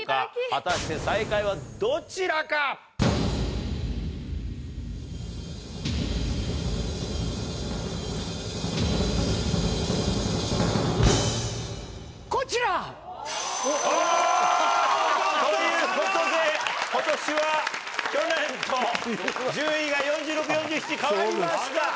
果たして最下位はどちらか⁉こちら！ということで今年は去年と順位が４６４７変わりました！